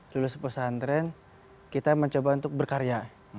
lulus pesantren kita mencoba untuk berkarya